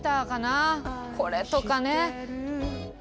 これとかね。